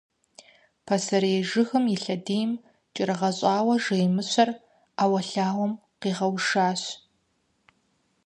Псей жыгым и лъэдийм кӀэрыгъэщӀауэ жей Мыщэр ӏэуэлъауэм къигъэушащ.